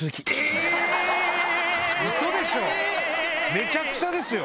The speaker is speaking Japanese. めちゃくちゃですよ。